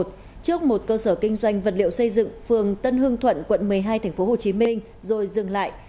trước một cơ sở kinh doanh vật liệu xây dựng phường tân hương thuận quận một mươi hai tp hcm rồi dừng lại